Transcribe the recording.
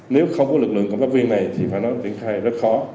nếu không có lực lượng cộng tác viên này thì phải nói tuyển khai rất khó